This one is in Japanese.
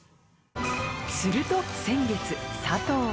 すると先月佐藤